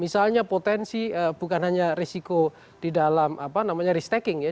misalnya potensi bukan hanya risiko di dalam apa namanya restek ya